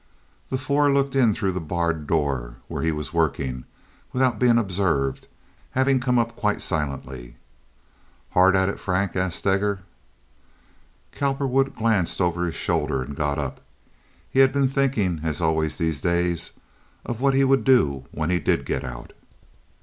The four looked in through the barred door where he was working, without being observed, having come up quite silently. "Hard at it, Frank?" asked Steger. Cowperwood glanced over his shoulder and got up. He had been thinking, as always these days, of what he would do when he did get out.